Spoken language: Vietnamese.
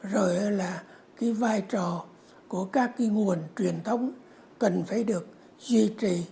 rồi là cái vai trò của các cái nguồn truyền thống cần phải được duy trì